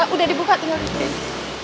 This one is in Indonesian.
udah dibuka tinggal di sini